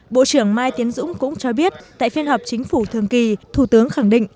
bộ trưởng mai tiến dũng cũng cho biết tại phiên họp chính phủ thường kỳ thủ tướng khẳng định